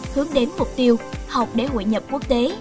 hướng đến mục tiêu học để hội nhập quốc tế